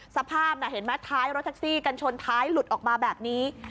สภาพน่ะเห็นไหมท้ายรถแท็กซี่กันชนท้ายหลุดออกมาแบบนี้